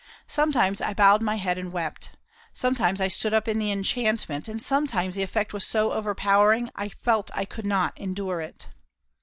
Sometimes I bowed my head and wept. Sometimes I stood up in the enchantment, and sometimes the effect was so overpowering I felt I could not endure it.